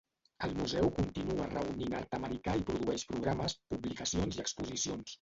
El museu continua reunint art americà i produeix programes, publicacions i exposicions.